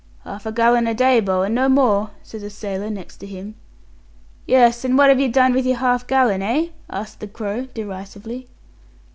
"Half a gallon a day, bo', and no more," says a sailor next him. "Yes, what have yer done with yer half gallon, eh?" asked the Crow derisively.